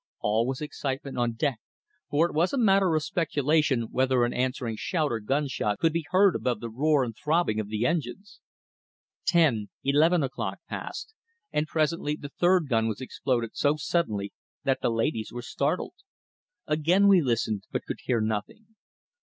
All was excitement on deck, for it was a matter of speculation whether an answering shout or gunshot could be heard above the roar and throbbing of the engines. Ten, eleven o'clock passed, and presently the third gun was exploded so suddenly that the ladies were startled. Again we listened, but could hear nothing.